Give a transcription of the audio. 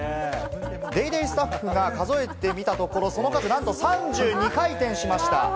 『ＤａｙＤａｙ．』スタッフが数えてみたところ、その数なんと３２回転しました。